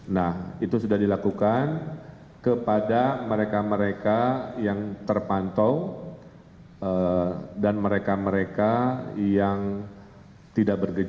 nah itu sudah dilakukan kepada mereka mereka yang terpantau dan mereka mereka yang tidak bergejala